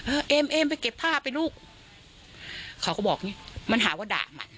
เอ้มไปเก็บผ้าไปลูกเขาก็บอกมันหาว่าด่ามัน